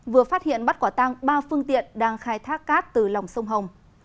vừa phát hiện bắt quả tăng ba phương tiện đang khai thác cát từ lòng sông hồng